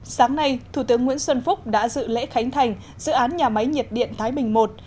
sáng nay thủ tướng nguyễn xuân phúc đã dự lễ khánh thành dự án nhà máy nhiệt điện thái bình i